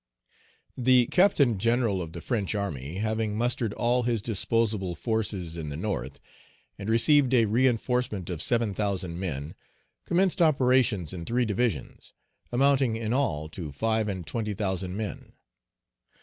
THE Captain General of the French army, having mustered all his disposable forces in the North, and received a reinforcement of seven thousand men, commenced operations in three divisions, amounting in all to five and twenty thousand men.